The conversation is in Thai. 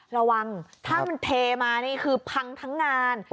ระวังเพราะเขามันเทมาคือพังทั้งงาน